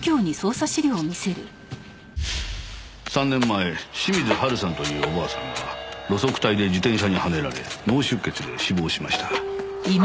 ３年前清水ハルさんというお婆さんが路側帯で自転車にはねられ脳出血で死亡しました。